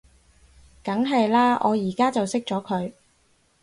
梗係喇，我而家就熄咗佢